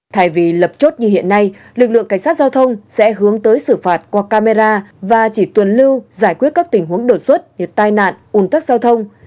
thay vì lập chốt như hiện nay lực lượng cảnh sát giao thông sẽ hướng tới xử phạt qua camera và chỉ tuần lưu giải quyết các tình huống đột xuất như tai nạn un tắc giao thông